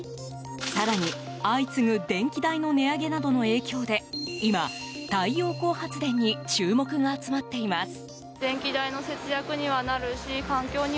更に、相次ぐ電気代の値上げなどの影響で今、太陽光発電に注目が集まっています。